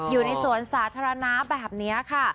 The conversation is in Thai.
อยู่ในสวนสาธารณะแบบนี้ค่ะ